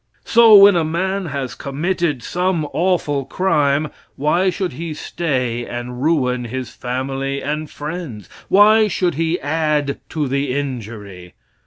So, when a man has committed some awful crime, why should he stay and ruin his family and friends? Why should he add to the injury?